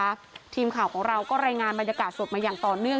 ทีมข่าวของเราก็รายงานบรรยากาศสดมาอย่างต่อเนื่อง